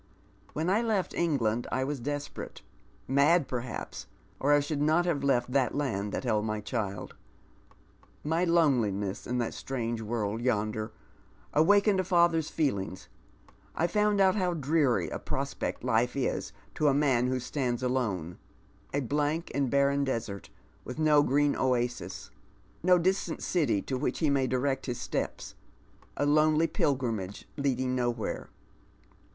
When I left England I was desperate — uiiid, perhaps, or I should not have left the land that held my cliild. My loneliness in that strange world yonder awakened a father's feelings, I found out how dreary a prospect life is to a man who stands alone — a blank and barren desert, with no green oasis — no distiint city to which he may direct his steps — a lonely pilgrimage leading nowhere."